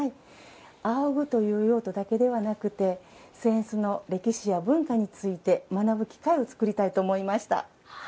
あおぐという用途だけではなくて扇子の歴史や文化について学ぶ機会を作りたいと思いました。